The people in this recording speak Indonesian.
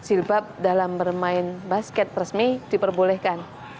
dan silbab dalam bermain basket resmi diperbolehkan